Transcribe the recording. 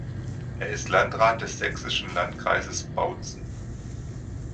Er ist Landrat des sächsischen Landkreises Bautzen.